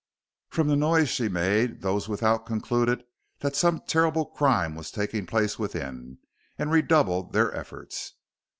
From the noise she made those without concluded that some terrible crime was taking place within, and redoubled their efforts.